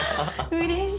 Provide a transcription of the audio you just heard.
うれしい。